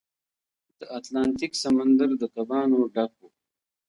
د اتلانتیک سمندر د کبانو ډک و.